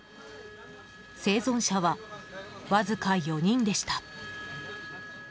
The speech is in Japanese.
生存者はわずか４人でした。